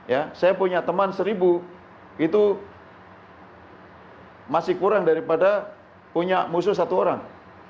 ya saya punya teman seribu itu masih kurang daripada punya musuh satu orang